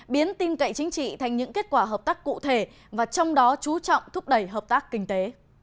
biến tin cậy chính trị thành những kết quả hợp tác cụ thể và trong đó chú trọng thúc đẩy hợp tác kinh tế